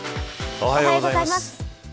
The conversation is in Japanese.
おはようございます。